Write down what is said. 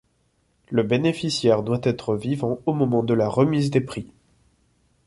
Le bénéficiaire doit être vivant au moment de la remise des prix.